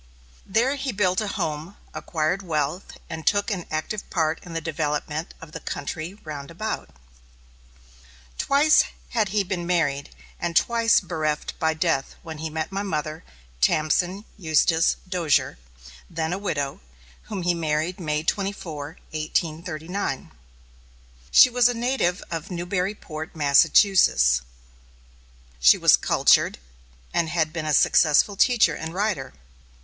There he built a home, acquired wealth, and took an active part in the development of the country round about. Twice had he been married, and twice bereft by death when he met my mother, Tamsen Eustis Dozier, then a widow, whom he married May 24, 1839. She was a native of Newburyport, Massachusetts. She was cultured, and had been a successful teacher and writer.